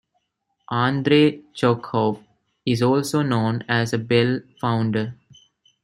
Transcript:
Andrey Chokhov is also known as a bell founder.